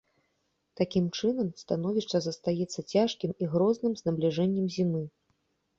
Такім чынам, становішча застаецца цяжкім і грозным з набліжэннем зімы.